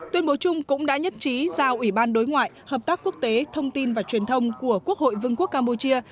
tuyên bố chung cũng đã nhất trí giao ủy ban đối ngoại hợp tác quốc tế thông tin và truyền thông của quốc hội vương quốc campuchia